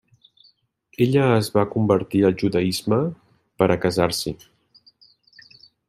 Ella es va convertir al judaisme per a casar-s'hi.